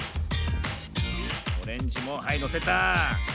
オレンジもはいのせた。